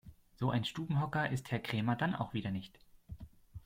So ein Stubenhocker ist Herr Krämer dann auch wieder nicht.